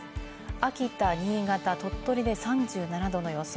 秋田、新潟、鳥取で３７℃の予想。